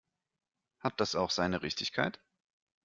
Hat das auch seine Richtigkeit?